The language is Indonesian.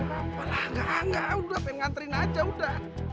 ya apa lah enggak enggak udah pengen ngantriin aja udah